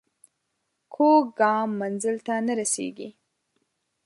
کوږ ګام منزل ته نه رسېږي